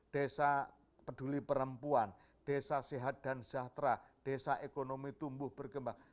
desa peduli perempuan desa sehat dan sejahtera desa ekonomi tumbuh berkembang